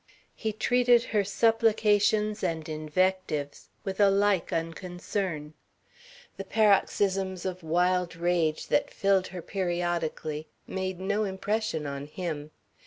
He treated her supplications and invectives with a like unconcern. The paroxysms of wild rage that filled her periodically made no impression on him.